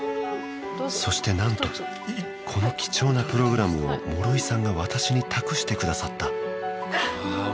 そして何とこの貴重なプログラムを諸井さんが私に託してくださったああ